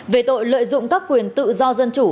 về tội lợi dụng các quyền tự do dân chủ